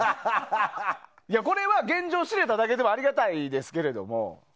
これは、現状を知れただけでもありがたいですけども。